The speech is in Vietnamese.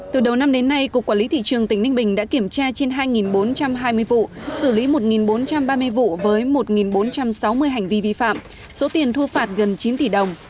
từ đầu năm đến nay cục quản lý thị trường tỉnh ninh bình đã kiểm tra trên hai bốn trăm hai mươi vụ xử lý một bốn trăm ba mươi vụ với một bốn trăm sáu mươi hành vi vi phạm số tiền thu phạt gần chín tỷ đồng